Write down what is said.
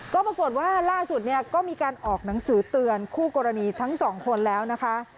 ก็ปรากฏว่าล่าสุดเนี่ยก็มีการออกหนังสือเตือนคู่กรณีทั้งสองคนแล้วนะคะ